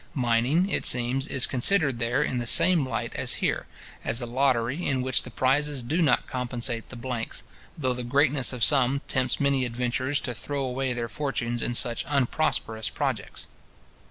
Mining, it seems, is considered there in the same light as here, as a lottery, in which the prizes do not compensate the blanks, though the greatness of some tempts many adventurers to throw away their fortunes in such unprosperous projects.